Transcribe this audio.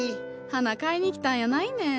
花買いに来たんやないねん。